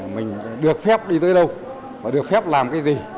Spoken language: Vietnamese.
mình được phép đi tới đâu và được phép làm cái gì